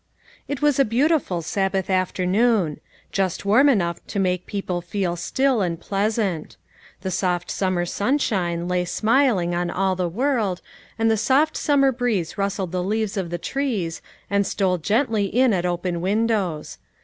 "TT was a beautiful Sabbath afternoon; just * warm enough to make people feel still and pleasant. The soft summer sunshine lay smiling on all the world, and the soft sum mer breeze rustled the leaves of the trees, and stole gently in at open windows.